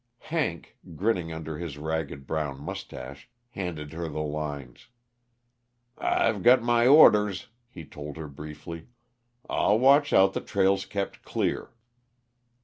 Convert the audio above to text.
Hank, grinning under his ragged, brown mustache, handed her the lines. "I've got my orders," he told her briefly. "I'll watch out the trail's kept clear."